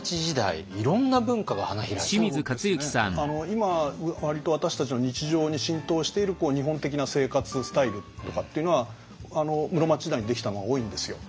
今割と私たちの日常に浸透している日本的な生活スタイルとかっていうのは室町時代にできたものが多いんですよ。